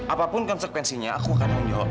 apapun konsekuensinya aku akan menjawab